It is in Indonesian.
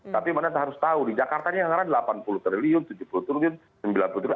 tapi mereka harus tahu di jakarta ini yang ada delapan puluh triliun tujuh puluh triliun sembilan puluh triliun